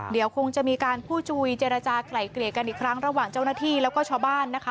เดี๋ยวคงจะมีการพูดจุยเจรจากลายเกลี่ยกันอีกครั้งระหว่างเจ้าหน้าที่แล้วก็ชาวบ้านนะคะ